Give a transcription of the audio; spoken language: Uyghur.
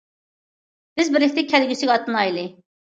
بىز بىرلىكتە كەلگۈسىگە ئاتلىنايلى!